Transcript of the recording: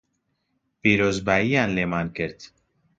پیرۆزبایییان لێمان کرد